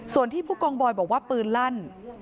ส่วนที่ผู้กองบอยบอกว่าปืนลั่น